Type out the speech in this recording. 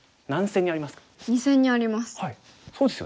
２線にあります。